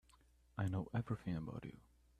I know everything about you.